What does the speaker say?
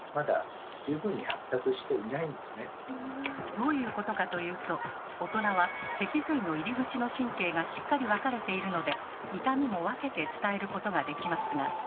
どういうことかというと大人は脊髄の入り口の神経がしっかり分かれているので痛みも分けて伝えることができますが。